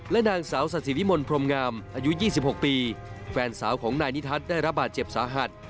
นางสาวศาสิวิมลพรมงามอายุ๒๖ปีแฟนสาวของนายนิทัศน์ได้รับบาดเจ็บสาหัส